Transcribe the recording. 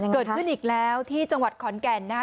เกิดขึ้นอีกแล้วที่จังหวัดขอนแก่นนะครับ